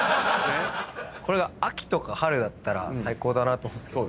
これが秋とか春だったら最高だなと思うんですけど。